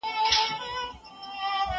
زه ښوونځی ته نه ځم!!